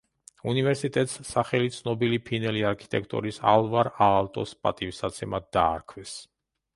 უნივერსიტეტს სახელი ცნობილი ფინელი არქიტექტორის ალვარ აალტოს პატივსაცემად დაარქვეს.